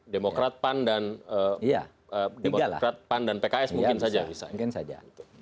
demokrat pan dan pks mungkin saja bisa